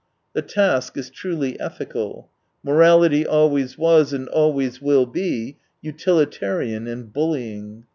The task is truly ethical : morality always was and always will be utilitarian and bullying.